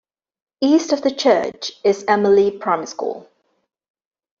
East of the church is Almeley Primary School.